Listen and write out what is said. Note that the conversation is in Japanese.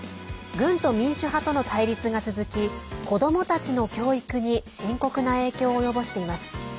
軍と民主派との対立が続き子どもたちの教育に深刻な影響を及ぼしています。